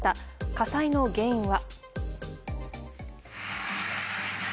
火災の原因は。